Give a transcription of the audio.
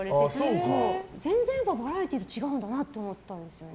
もう全然バラエティーと違うんだなって思ったんですよね。